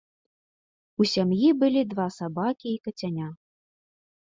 У сям'і былі два сабакі і кацяня.